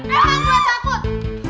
emang gue takut